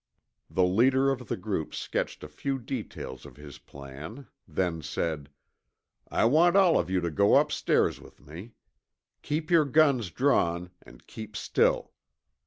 The leader of the group sketched a few details of his plan, then said, "I want all of you to go upstairs with me. Keep your guns drawn an' keep still.